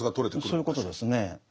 そういうことですね。